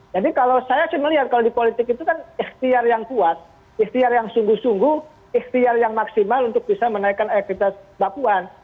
jadi kalau saya sih melihat kalau di politik itu kan ikhtiar yang kuat ikhtiar yang sungguh sungguh ikhtiar yang maksimal untuk bisa menaikkan elektabilitas mbak puan